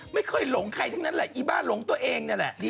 หลงใครทั้งนั้นแหละอีบ้าหลงตัวเองนี่แหละ